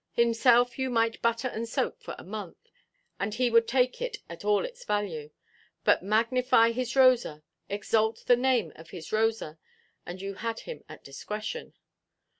Himself you might butter and soap for a month, and he would take it at all its value; but magnify his Rosa, exalt the name of his Rosa, and you had him at discretion.